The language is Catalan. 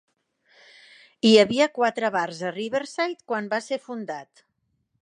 Hi havia quatre bars a Riverside quan va ser fundat.